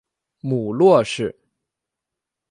母骆氏。